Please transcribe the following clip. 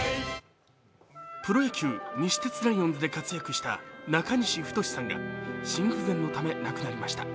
プロ野球、西鉄ライオンズで活躍した中西太さんが心不全のため亡くなりました。